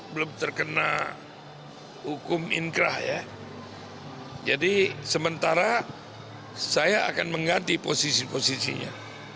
belum terkena hukum inkrah ya jadi sementara saya akan mengganti posisi posisinya